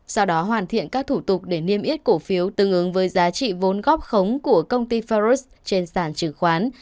sau đó hoàn thiện các thủ tục để niêm yết cổ phiếu tương ứng với giá trị vốn góp khống của công ty farus trên sản trừng khoán